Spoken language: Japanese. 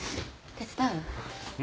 手伝う？